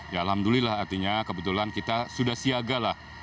ya alhamdulillah artinya kebetulan kita sudah siaga lah